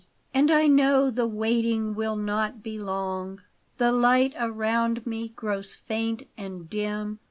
And I know the waiting will not be long. The light around me grows faint and dim.